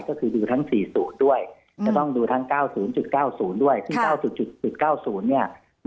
ก็คือดูทั้งสี่ศูนย์ด้วยจะต้องดูทั้ง๙๐๙๐ด้วย